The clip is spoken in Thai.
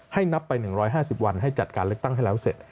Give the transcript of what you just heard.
นับไป๑๕๐วันให้จัดการเลือกตั้งให้แล้วเสร็จ